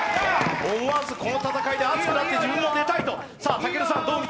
思わずこの戦いで熱くなって自分も出たいと。